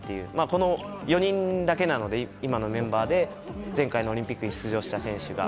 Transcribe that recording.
この４人だけなので今のメンバーで前回のオリンピックに出場した選手が。